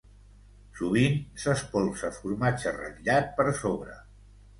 Sovint s'espolsa formatge ratllat per sobre.